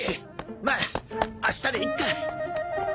まっ明日でいっか。